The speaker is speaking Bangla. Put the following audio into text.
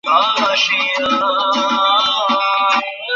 আমি কি তোমাদের মতো লিখিতে পড়িতে জানি।